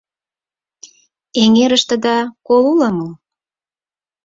— Эҥерыштыда кол уло мо?